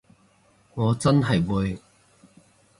我真係會